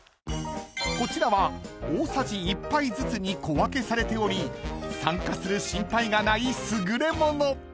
［こちらは大さじ一杯ずつに小分けされており酸化する心配がない優れもの］